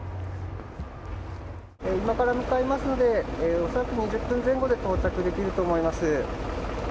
今から向かいますので恐らく５０分前後で到着できると思います。